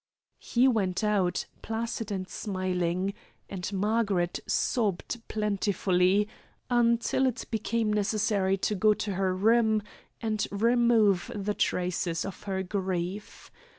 He went out, placid and smiling, and Margaret sobbed plentifully until it became necessary to go to her room and remove the traces of her grief.